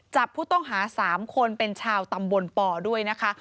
จับผู้ต้องหา๓คนเป็นชาวตำบลปด้วยนะคะ